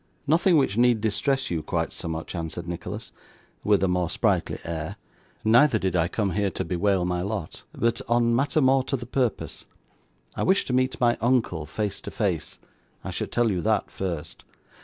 'Nothing which need distress you quite so much,' answered Nicholas, with a more sprightly air; 'neither did I come here to bewail my lot, but on matter more to the purpose. I wish to meet my uncle face to face. I should tell you that first.